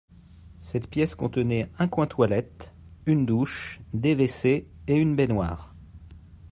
Cette pièce contenait un coin toilette, une douche, des WC et une baignoire